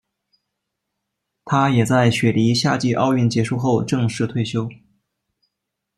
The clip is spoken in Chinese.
他也在雪梨夏季奥运结束后正式退休。